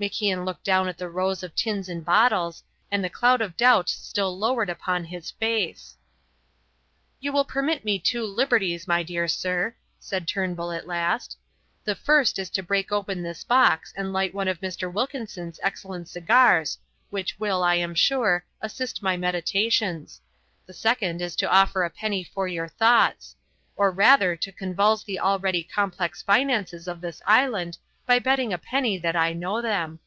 MacIan looked down at the rows of tins and bottles, and the cloud of doubt still lowered upon his face. "You will permit me two liberties, my dear sir," said Turnbull at last: "The first is to break open this box and light one of Mr. Wilkinson's excellent cigars, which will, I am sure, assist my meditations; the second is to offer a penny for your thoughts; or rather to convulse the already complex finances of this island by betting a penny that I know them."